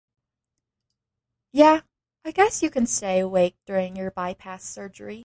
Yeah, I guess you can stay awake during your bypass surgery.